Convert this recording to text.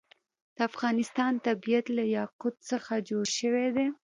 د افغانستان طبیعت له یاقوت څخه جوړ شوی دی.